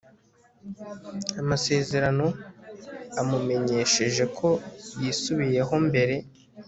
amasezerano amumenyesheje ko yisubiyeho mbere